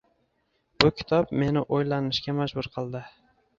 Bu kitob meni o‘ylanishga majbur qildi.